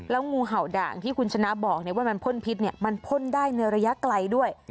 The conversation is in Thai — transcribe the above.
งูเห่าด่างที่คุณชนะบอกว่ามันพ่นพิษมันพ่นได้ในระยะไกลด้วย